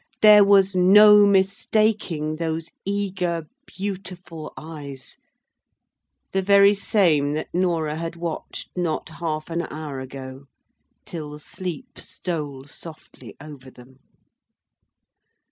there was no mistaking those eager, beautiful eyes—the very same that Norah had watched not half an hour ago, till sleep stole softly over them.